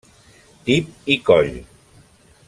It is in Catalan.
Tip i Coll.